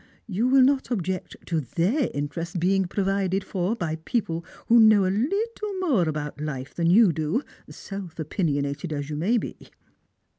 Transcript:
You will not object to their interests being provided for by people who know a little more about life than you do, self opinionated as you may be."